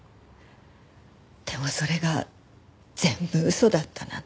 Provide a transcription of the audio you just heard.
でもそれが全部嘘だったなんて。